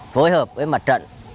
phối hợp với mặt trận